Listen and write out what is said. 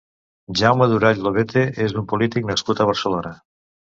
Jaume Durall Lobete és un polític nascut a Barcelona.